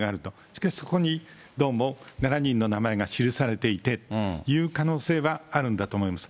しかしそこにどうも７人の名前が記されていてという可能性はあるんだと思います。